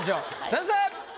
先生！